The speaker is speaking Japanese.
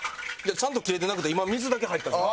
ちゃんと切れてなくて今水だけ入ったんですよ。